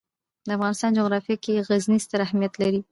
د افغانستان جغرافیه کې غزني ستر اهمیت لري.